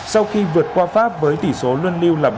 sau khi vượt qua pháp với tỷ số luân lưu là bốn